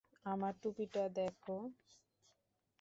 আমার টুপিটা দেখো!